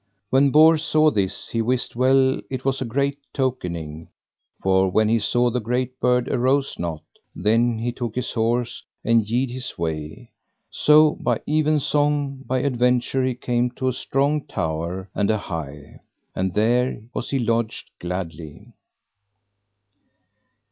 When Bors saw this he wist well it was a great tokening; for when he saw the great bird arose not, then he took his horse and yede his way. So by evensong, by adventure he came to a strong tower and an high, and there was he lodged gladly.